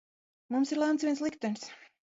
Mums ir lemts viens liktenis.